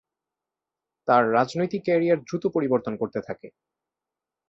তার রাজনৈতিক ক্যারিয়ার দ্রুত পরিবর্তন করতে থাকে।